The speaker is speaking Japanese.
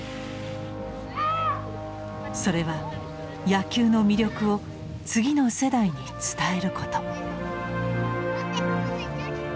それは野球の魅力を次の世代に伝えること。